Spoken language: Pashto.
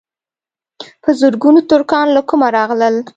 په زرګونو ترکان له کومه راغلل.